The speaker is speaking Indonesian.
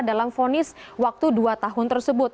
dalam vonis waktu dua tahun tersebut